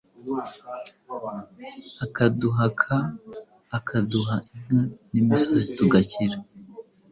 akaduhaka, akaduha inka n’imisozi tugakira